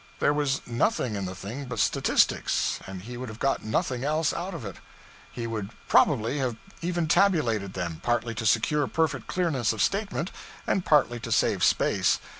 There was nothing in the thing but statistics, and he would have got nothing else out of it. He would probably have even tabulated them, partly to secure perfect clearness of statement, and partly to save space.